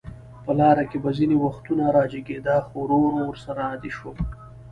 په لاره کې به ځینې وختونه راجګېده، خو ورو ورو ورسره عادي شوم.